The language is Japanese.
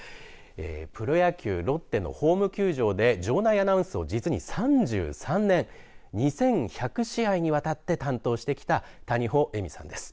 プロ野球ロッテのホーム球場で場内アナウンスを実に３３年２１００試合にわたって担当してきた谷保恵美さんです。